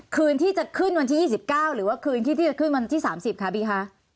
คืนที่จะขึ้นวันที่ยี่สิบเก้าหรือว่าคืนที่ที่จะขึ้นวันที่สามสิบค่ะบีค่ะ